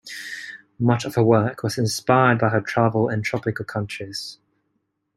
Much of her work was inspired by her travel in tropical countries.